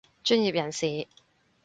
專業人士